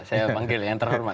saya panggil yang terhormat